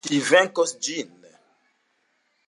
Ŝi venkos ĝin!